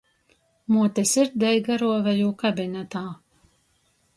Muote sirdeiga ruove jū kabinetā.